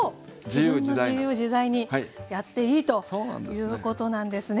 自分の自由自在にやっていいということなんですね。